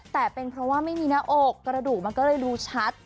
แต่เป็นเพราะว่าไม่มีหน้าอกกระดูกมันก็เลยดูชัด